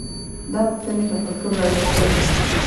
دا پوښتنې تفکر راویښ کړل.